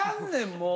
もう。